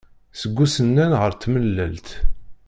Seg usennan ar tmellalt.